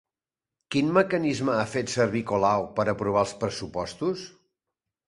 Quin mecanisme ha fet servir Colau per aprovar els pressupostos?